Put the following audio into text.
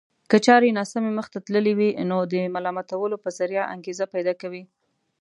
که چارې ناسمې مخته تللې وي نو د ملامتولو په ذريعه انګېزه پيدا کوي.